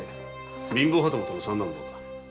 貧乏旗本の三男坊だ。